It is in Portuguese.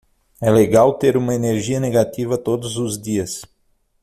É legal ter uma energia negativa todos os dias.